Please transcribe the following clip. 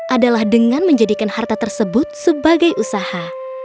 adalah dengan menjadikan harta tersebut sebagai usaha